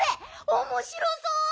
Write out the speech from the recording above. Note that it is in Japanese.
おもしろそう！